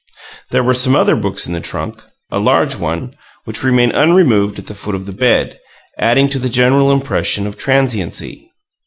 There were some other books in the trunk a large one, which remained unremoved at the foot of the bed, adding to the general impression of transiency.